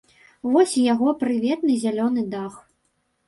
Вось і яго прыветны зялёны дах.